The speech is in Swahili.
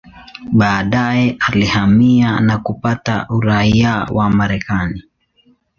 Baadaye alihamia na kupata uraia wa Marekani.